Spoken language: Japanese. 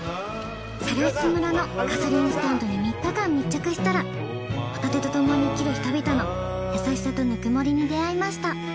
猿払村のガソリンスタンドに３日間密着したらホタテとともに生きる人々の優しさとぬくもりに出会いました。